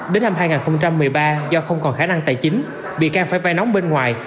đến năm hai nghìn một mươi ba do không còn khả năng tài chính bị can phải vay nóng bên ngoài